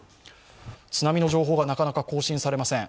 津波の情報がなかなか更新されません。